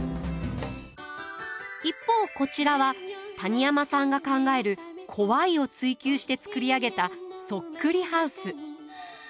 一方こちらは谷山さんが考える「怖い」を追求して作り上げた「そっくりハウス」。